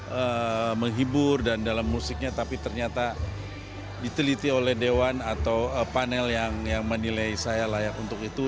saya menghibur dan dalam musiknya tapi ternyata diteliti oleh dewan atau panel yang menilai saya layak untuk itu